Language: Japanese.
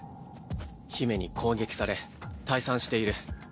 姫に攻撃され退散している。